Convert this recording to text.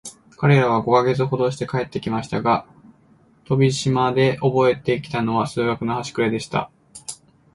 彼等は五ヵ月ほどして帰って来ましたが、飛島でおぼえて来たのは、数学のはしくれでした。